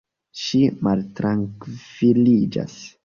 Ŝi maltrankviliĝas.